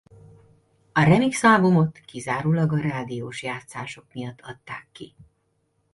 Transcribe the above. A remixalbumot kizárólag a rádiós játszások miatt adták ki.